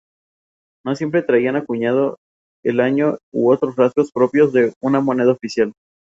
Algunos de los derechos de sus guiones fueron comprados por Televisa.